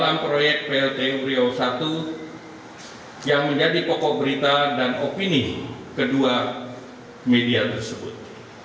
saya tidak pernah terlibat sedikitpun di dalam proyek plt uriau i yang menjadi pokok berita dan opini kedua media tersebut